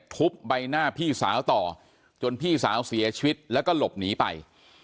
ทุบใบหน้าพี่สาวต่อจนพี่สาวเสียชีวิตแล้วก็หลบหนีไป